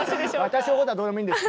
私のことはどうでもいいんです！